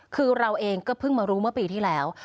คือเราเองก็เพิ่งมารู้เมื่อปีที่แล้ว